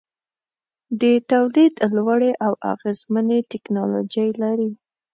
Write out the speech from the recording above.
د تولید لوړې او اغیزمنې ټیکنالوجۍ لري.